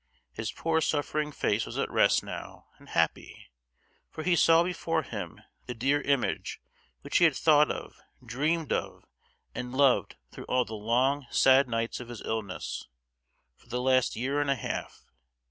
His poor suffering face was at rest now, and happy; for he saw before him the dear image which he had thought of, dreamed of, and loved through all the long sad nights of his illness, for the last year and a half!